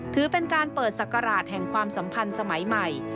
ถือเป็นการเปิดศักราชแห่งความสัมพันธ์สมัยใหม่